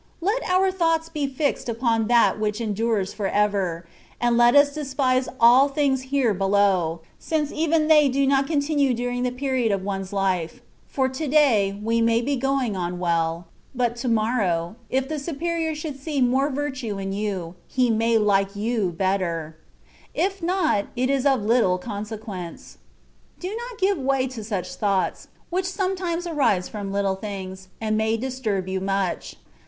Let our thoughts be fixed upon that which endures for ever, and let us despise all things here below, since even they do not con tinue during the period of one's life ; for to day you may be going on well, but to morrow, if the superior should see more virtue in you, he may like you better ; if not, it is of little consequence. Do not give way to such thoughts, which some times arise from little things, and may disturb you much.